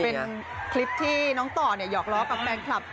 เป็นคลิปที่น้องต่อหยอกล้อกับแฟนคลับ